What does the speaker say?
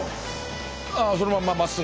ああそのまんままっすぐ。